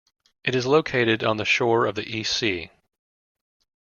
It is located on the shore of the East Sea.